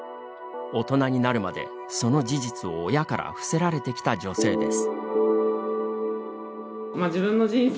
大人になるまで、その事実を親から伏せられてきた女性です。